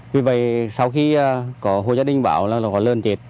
vì vậy sau khi có hồ gia đình bảo là có lợn chết